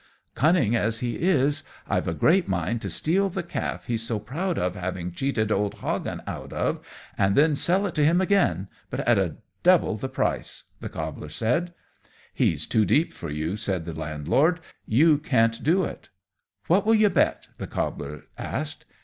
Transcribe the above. "Cunning as he is, I've a great mind to steal the calf he's so proud of having cheated old Hagan out of, and then sell it him again, but at double the price," the Cobbler said. "He's too deep for you," said the Landlord; "you can't do it." "What will you bet?" the Cobbler asked.